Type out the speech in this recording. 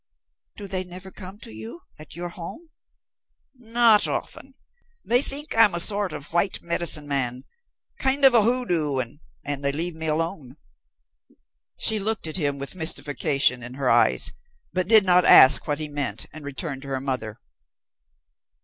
"Do they never come to you, at your home?" "Not often. They think I'm a sort of white 'medicine man' kind of a hoodoo, and leave me alone." She looked at him with mystification in her eyes, but did not ask what he meant, and returned to her mother.